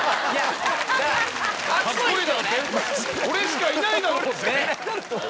俺しかいないだろ！って。